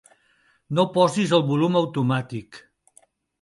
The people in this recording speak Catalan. No posis el volum automàtic.